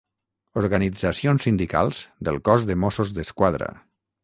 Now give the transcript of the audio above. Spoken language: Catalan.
Organitzacions sindicals del cos de Mossos d'Esquadra.